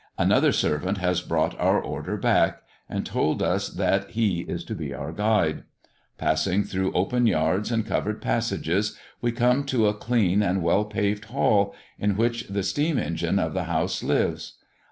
Another servant has brought our order back, and told us that he is to be our guide. Passing through open yards and covered passages, we come to a clean and well paved hall, in which the steam engine of the house lives.